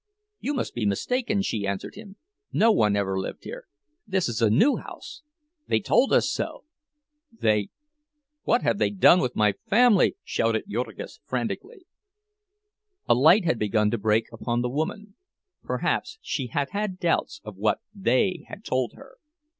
"You must be mistaken," she answered him. "No one ever lived here. This is a new house. They told us so. They—" "What have they done with my family?" shouted Jurgis, frantically. A light had begun to break upon the woman; perhaps she had had doubts of what "they" had told her.